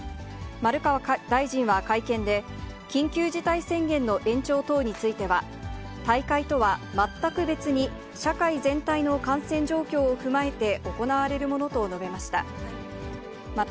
丸川大臣は会見で、緊急事態宣言の延長等については、大会とは全く別に社会全体の感染状況を踏まえて行われるものと述べました。